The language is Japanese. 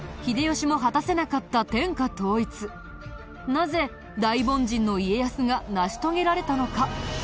なぜ大凡人の家康が成し遂げられたのか？